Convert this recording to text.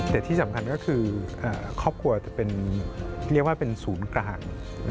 แต่ที่สำคัญก็คือครอบครัวจะเป็นเรียกว่าเป็นศูนย์กลาง